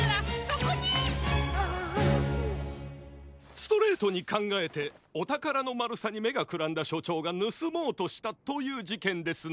ストレートにかんがえておたからのまるさにめがくらんだしょちょうがぬすもうとしたというじけんですね。